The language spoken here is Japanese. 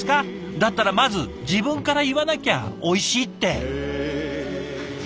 だったらまず自分から言わなきゃ「おいしい」って。